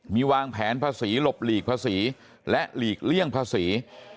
มีวางแผนภาษีหลบหลีกภาษีและหลีกเลี่ยงภาษี